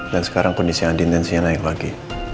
dan sekarang kondisi andien tensinya naik lagi